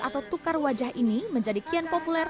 atau tukar wajah ini menjadi kian populer